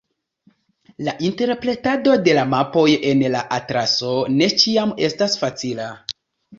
La interpretado de la mapoj en la atlaso ne ĉiam estas facila.